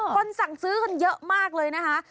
คนสั่งซื้อกันเยอะมากเลยนะคะ